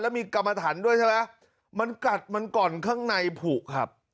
แล้วมีกรรมฐานด้วยใช่ไหมมันกัดมันก่อนข้างในผูกครับ